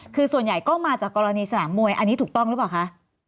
คือส่วนใหญ่ก็มาจากกรณีสนามมวยอันนี้ถูกต้องหรือเปล่าคะ